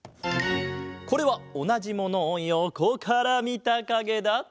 これはおなじものをよこからみたかげだ。